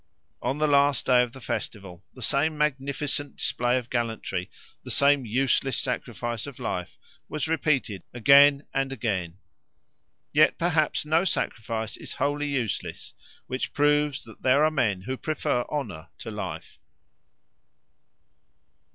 On the last days of the festival the same magnificent display of gallantry, the same useless sacrifice of life was repeated again and again. Yet perhaps no sacrifice is wholly useless which proves that there are men who prefer honour to life.